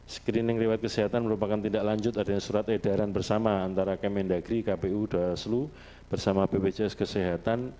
screening lewat kesehatan merupakan tindak lanjut adanya surat edaran bersama antara kemendagri kpu dan selu bersama bpjs kesehatan